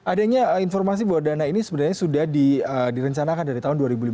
adanya informasi bahwa dana ini sebenarnya sudah direncanakan dari tahun dua ribu lima belas